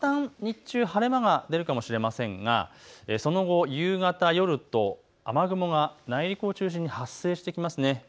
いったん日中、晴れ間が出るかもしれませんがその後、夕方、夜と雨雲が内陸を中心に発生してきます。